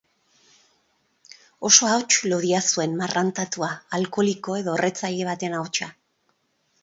Oso ahots lodia zuen, marrantatua, alkoholiko edo erretzaile ba-ten ahotsa.